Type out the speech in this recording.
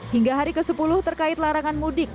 hingga hari ke sepuluh terkait larangan mudik